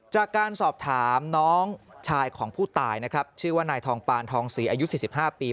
จากการสอบถามน้องชายของผู้ตายนะครับชื่อว่านายทองปานทองศรีอายุ๔๕ปี